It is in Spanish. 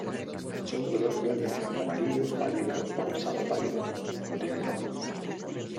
Son de color blanco, amarillo pálido o rosado pálido, no tienen ojos.